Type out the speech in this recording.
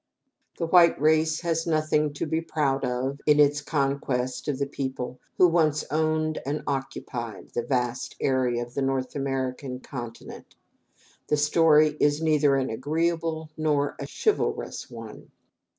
The white race has nothing to be proud of in its conquest of the people who once owned and occupied the vast area of the North American continent. The story is neither an agreeable nor a chivalrous one.